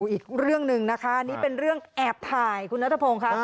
อีกเรื่องหนึ่งนะคะนี่เป็นเรื่องแอบถ่ายคุณนัทพงศ์ค่ะ